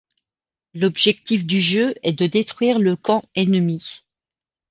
L’objectif du jeu est de détruire le camp ennemis.